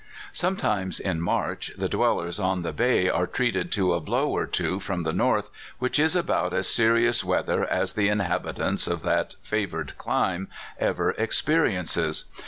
Sometimes in March, the dwellers on the bay arc treated to a blow or two from the north, which is about as serious weather as the inhabitant of that 14 210 CALIFORNIA SKETCHES. favored clime ever experiences.